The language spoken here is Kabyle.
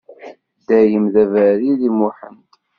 Dayem d aberri di Muḥend.